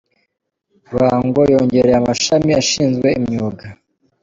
Ruhango yongereye amashami ashinzwe imyuga